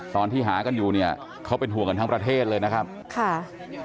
ตอนที่หากันอยู่เนี่ยเขาเป็นห่วงกันทั้งประเทศเลยนะครับค่ะ